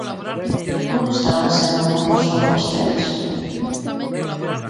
¿Ou estaban sendo como son vostedes?